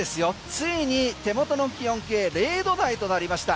ついに手元の気温計０度台となりました。